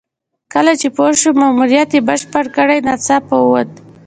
کله چې پوه شو ماموریت یې بشپړ کړی ناڅاپه ووت.